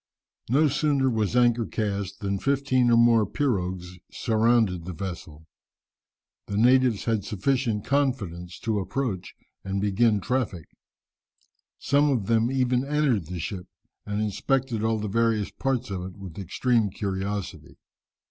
No sooner was anchor cast than fifteen or more pirogues surrounded the vessel. The natives had sufficient confidence to approach and begin traffic. Some of them even entered the ship, and inspected all the various parts of it with extreme curiosity.